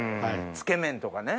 つけ麺とかね。